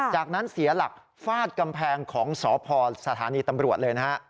จากนั้นเสียหลักฟาดกำแพงของสพสถานีตำรวจเลยนะฮะ